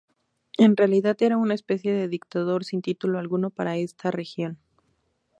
En realidad era una especie de dictador sin título alguno para esa región.